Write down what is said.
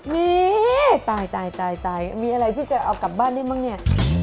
นี่ตายตายมีอะไรที่จะเอากลับบ้านได้มั้งเนี่ย